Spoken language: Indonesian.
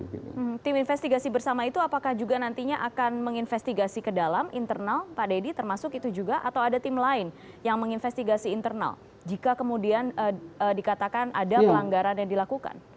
tim investigasi bersama itu apakah juga nantinya akan menginvestigasi ke dalam internal pak deddy termasuk itu juga atau ada tim lain yang menginvestigasi internal jika kemudian dikatakan ada pelanggaran yang dilakukan